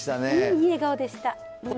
いい笑顔でした。